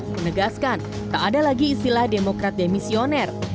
menegaskan tak ada lagi istilah demokrat demisioner